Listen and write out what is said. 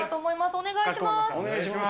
お願いします。